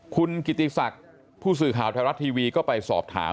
คุณกิติศักดิ์ผู้สื่อข่าวไทยรัฐทีวีก็ไปสอบถาม